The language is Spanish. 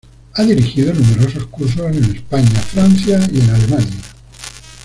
Ha dirigido numerosos cursos en España, Francia y en Alemania.